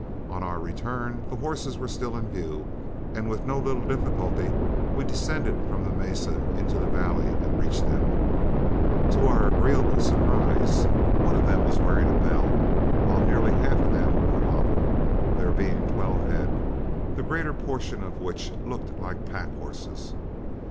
On our return, the horses were still in view, and with no little difficulty, we descended from the mesa into the valley and reached them. To our agreeable surprise, one of them was wearing a bell, while nearly half of them were hobbled, there being twelve head, the greater portion of which looked like pack horses.